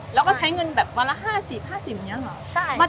แล้วก็ใช้เงินแบบวันละ๕๐มียังเหรอ